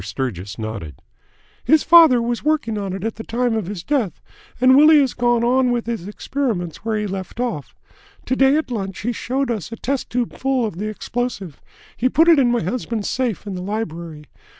Sturgis nodded. "His father was working on it at the time of his death, and Willie has gone on with his experiments where he left off. To day at lunch he showed us a test tube full of the explosive. He put it in my husband's safe in the library.